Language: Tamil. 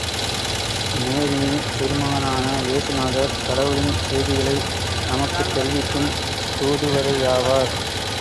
மேரியின் திருமகனான இயேசுநாதர், கடவுளின் செய்திகளை நமக்குத் தெரிவிக்கும் தூதுவரேயாவார்.